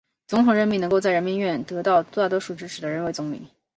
总统任命能够在人民院得到大多数支持的人为总理。